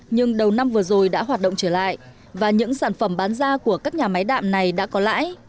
nhưng đầu năm vừa rồi đã hoạt động trở lại và những sản phẩm bán ra của các nhà máy đạm này đã có lãi